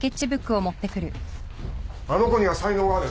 あの子には才能がある。